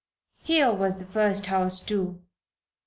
Here was the first house, too.